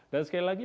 dan sekali lagi